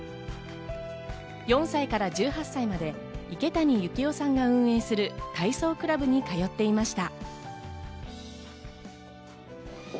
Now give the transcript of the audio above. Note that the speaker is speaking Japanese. ４歳から１８歳まで池谷幸雄さんが運営する体操クラブに通っていました。